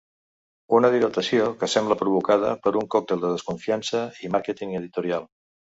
Una dilació que sembla provocada per un còctel de desconfiança i màrqueting editorial.